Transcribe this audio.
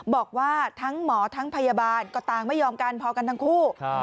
บอกว่าทั้งหมอทั้งพยาบาลก็ต่างไม่ยอมกันพอกันทั้งคู่